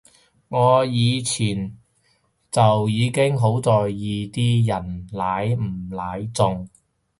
我以前就已經好在意啲人奶唔奶中